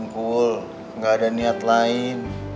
kul gak ada niat lain